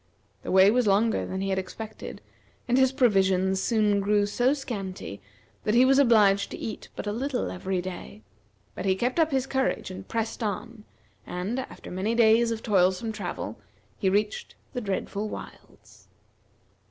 The way was longer than he had expected, and his provisions soon grew so scanty that he was obliged to eat but a little every day, but he kept up his courage, and pressed on, and, after many days of toilsome travel, he reached the dreadful wilds.